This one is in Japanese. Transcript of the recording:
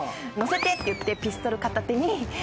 「乗せて」っていってピストル片手に。